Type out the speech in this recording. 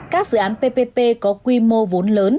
các dự án ppp có quy mô vốn lớn